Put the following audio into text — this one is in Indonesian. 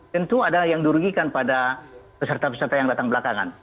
tentu ada yang dirugikan pada peserta peserta yang datang belakangan